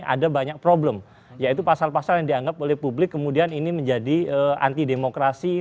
ada banyak problem yaitu pasal pasal yang dianggap oleh publik kemudian ini menjadi anti demokrasi